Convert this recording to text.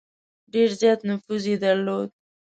ډېر زیات نفوذ یې درلود.